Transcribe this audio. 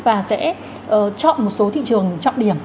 và sẽ chọn một số thị trường chọn điểm